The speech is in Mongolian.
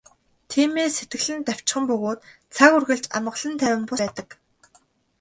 Тиймээс сэтгэл нь давчхан бөгөөд цаг үргэлж амгалан тайван бус байдаг.